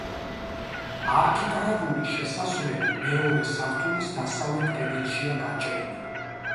არქიტრავული შესასვლელი მეორე სართულის დასავლეთ კედელშია გაჭრილი.